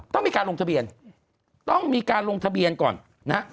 ต้องมีการลงทะเบียนต้องมีการลงทะเบียนก่อนนะฮะ